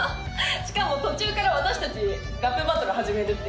しかも途中から私達ラップバトル始めるっていうね